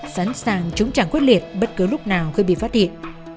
sẵn sàng chống chẳng khuyết liệt bất cứ lúc nào khi bị phát hiện